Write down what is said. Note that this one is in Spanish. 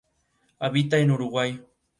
Habita en Uruguay.